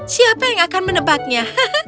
siapa yang akan menebaknya